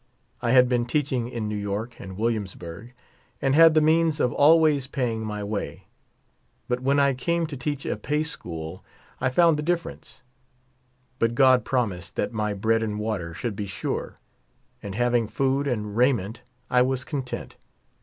I had l)een teaching in New York and Williamsburg, and had the means of always paying ray way. But when I came to teach a pay school I found the difference. But God promised that my bread and water should be sure ; and having food and raiment I was content.